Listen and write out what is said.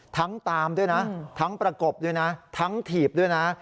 ตามด้วยนะทั้งประกบด้วยนะทั้งถีบด้วยนะ